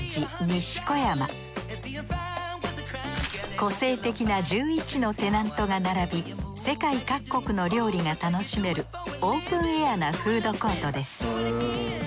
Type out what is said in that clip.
個性的な１１のテナントが並び世界各国の料理が楽しめるオープンエアなフードコートです